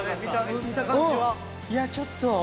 いやちょっと。